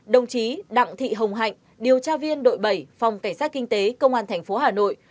đồng chí đặng thị hồng hạnh điều tra viên đội bảy phòng cảnh sát kinh tế công an tp hà nội